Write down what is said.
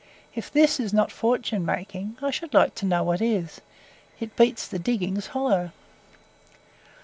If THIS is not fortune making, I should like to know what is. It beats the diggings hollow.